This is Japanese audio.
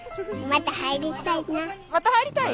また入りたい？